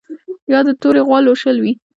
یا د تورې غوا لوشل وي